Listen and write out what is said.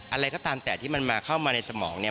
อะไรก็ตามแต่ที่มันมาเข้ามาในสมองเนี่ย